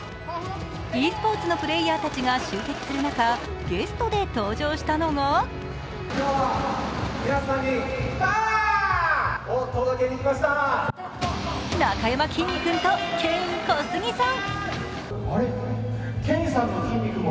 ｅスポーツのプレーヤーたちが集結する中、ゲストで登場したのがなかやまきんに君とケイン・コスギさん。